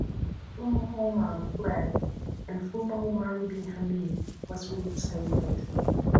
Fumo Oman fled and Fumo 'Umari bin Hamid was reinstated.